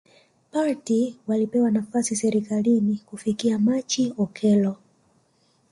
party walipewa nafasi serikalini Kufikia Machi Okello